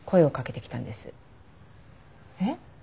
えっ？